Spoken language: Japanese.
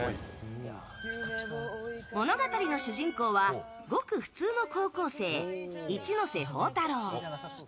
物語の主人公はごく普通の高校生一ノ瀬宝太郎。